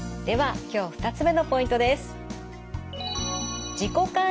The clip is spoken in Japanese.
では今日２つ目のポイントです。